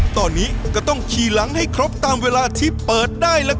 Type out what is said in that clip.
ตอนนี้ก็ต้องขี่หลังให้ครบตามเวลาที่เปิดได้ล่ะครับ